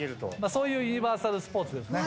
そういうユニバーサルスポーツですね。